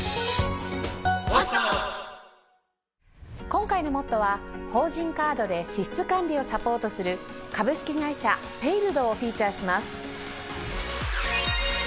今回の『ＭＯＴＴＯ！！』は法人カードで支出管理をサポートする株式会社ペイルドをフィーチャーします。